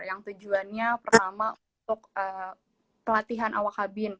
yang tujuannya pertama untuk pelatihan awak kabin